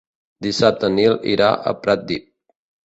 Dissabte en Nil irà a Pratdip.